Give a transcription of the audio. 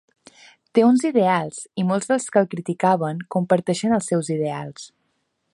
Té uns ideals i molts dels que el criticaven comparteixen els seus ideals.